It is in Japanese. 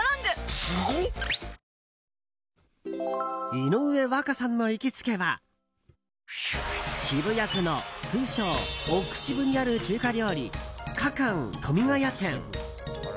井上和香さんの行きつけは渋谷区の通称・奥渋にある中華料理、かかん富ヶ谷店。